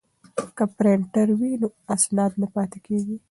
که پرینټر وي نو اسناد نه پاتیږي.